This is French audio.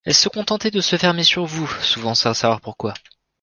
Elles se contentaient de se fermer sur vous, souvent sans savoir pourquoi.